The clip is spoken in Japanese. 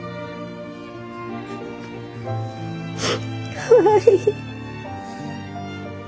かわいい。